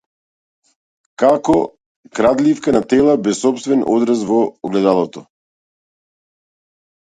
Како крадливка на тела, без сопствен одраз во огледалото.